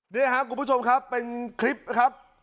นี่ครับคุณผู้ชมครับเป็นคลิปนะครับ